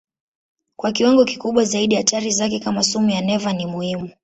Kwa viwango kikubwa zaidi hatari zake kama sumu ya neva ni muhimu.